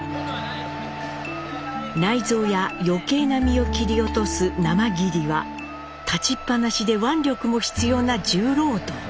内臓や余計な身を切り落とす「生切り」は立ちっぱなしで腕力も必要な重労働。